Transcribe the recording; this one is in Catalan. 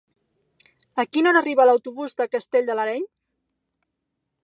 A quina hora arriba l'autobús de Castell de l'Areny?